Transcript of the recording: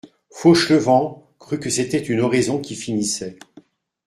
Fauchelevent crut que c'était une oraison qui finissait.